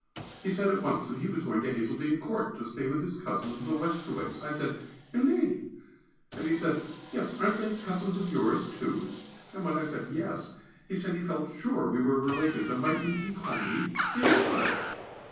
He said at once that he was going to Hazeldene Court, to stay with his cousins the Westaways. I said, "Indeed!" and he said, "Yes, aren't they cousins of yours too?" and when I said "Yes," he said he felt sure we were related, and mightn't he call me Elizabeth!!!